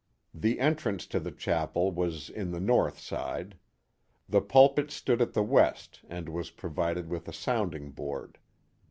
The entrance to the chapel was in the north side. The pulpit stood at the west and was provided with a sounding board.